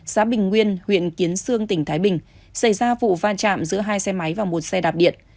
xã bình nguyên huyện kiến sương tỉnh thái bình xảy ra vụ va chạm giữa hai xe máy và một xe đạp điện